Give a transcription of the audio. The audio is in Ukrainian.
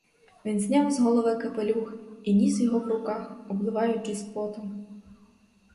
Він зняв з голови капелюх і ніс його в руках обливаючись потом.